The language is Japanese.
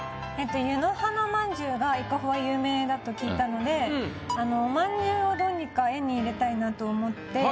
湯の花まんじゅうが伊香保は有名だと聞いたのでおまんじゅうをどうにか絵に入れたいなと思って。